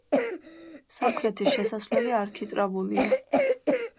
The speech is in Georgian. სამხრეთის შესასვლელი არქიტრავულია.